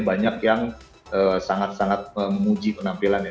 banyak yang sangat sangat menguji penampilannya